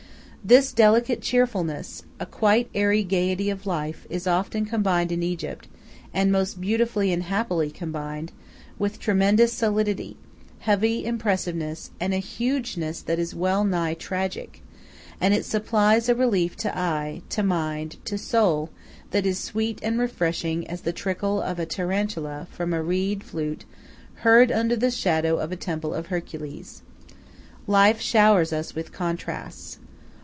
This delicate cheerfulness, a quite airy gaiety of life, is often combined in Egypt, and most beautifully and happily combined, with tremendous solidity, heavy impressiveness, a hugeness that is well nigh tragic; and it supplies a relief to eye, to mind, to soul, that is sweet and refreshing as the trickle of a tarantella from a reed flute heard under the shadows of a temple of Hercules. Life showers us with contrasts.